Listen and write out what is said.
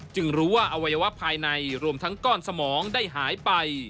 รู้ว่าอวัยวะภายในรวมทั้งก้อนสมองได้หายไป